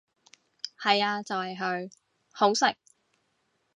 係呀就係佢，好食！